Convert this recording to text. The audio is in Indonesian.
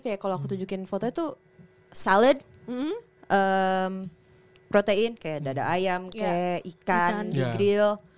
kayak kalau aku tunjukin foto itu salad protein kayak dada ayam kayak ikan di grill